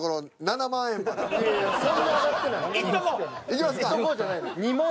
いきますか？